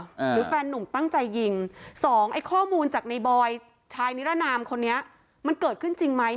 หรือแฟนหนุ่มตั้งใจยิงสองไอ้ข้อมูลจากในบอยชายนิรนามคนนี้มันเกิดขึ้นจริงไหม